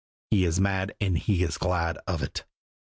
He is mad and he is glad of it.